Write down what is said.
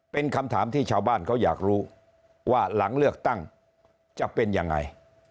เป็นคำถามที่ชาวบ้านเขาอยากรู้ว่าหลังเลือกตั้งจะเป็นยังไง